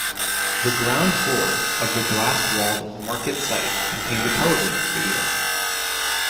The ground floor of the glass-walled MarketSite contains a television studio.